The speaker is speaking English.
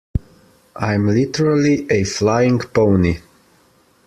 I'm literally a flying pony.